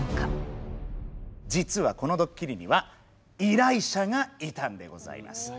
実はこのドッキリには依頼者がいたんでございます。